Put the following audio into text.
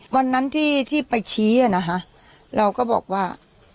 วันนั้นที่ไปชี้นะคะเราก็บอกว่า